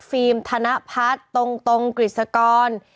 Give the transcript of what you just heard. ฟิล์มธนพัสตรงกริสกร